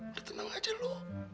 udah tenang aja lo